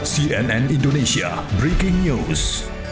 cnn indonesia breaking news